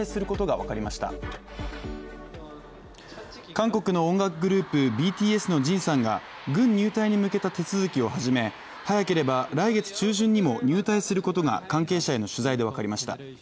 韓国の音楽グループ、ＢＴＳのＪＩＮさんが軍入隊に向けた手続きを始め早ければ来月中旬にも入隊することが関係者への取材で分かりました